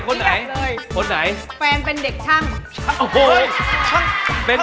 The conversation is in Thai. แฟนเป็นเด็กช่าง